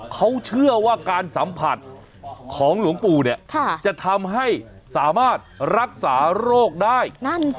เขาเชื่อว่าการสัมผัสของหลวงปู่เนี่ยจะทำให้สามารถรักษาโรคได้